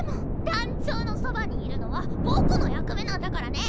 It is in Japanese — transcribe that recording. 団長のそばにいるのは僕の役目なんだからね。